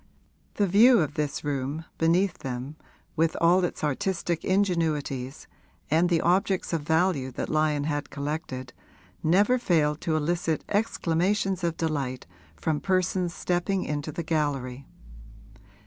The view of this room, beneath them, with all its artistic ingenuities and the objects of value that Lyon had collected, never failed to elicit exclamations of delight from persons stepping into the gallery.